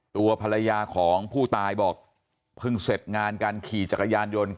ตัวภรรยาของผู้ตายบอกเพิ่งเสร็จงานการขี่จักรยานยนต์